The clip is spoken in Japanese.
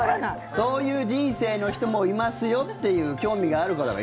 そういう人生の人もいますよっていう興味がある方が。